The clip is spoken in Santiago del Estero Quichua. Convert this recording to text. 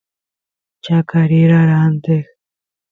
chaqa rera ranteq